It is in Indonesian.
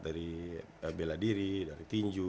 dari bela diri dari tinju